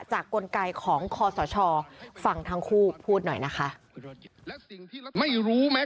จากกลไกของคอสช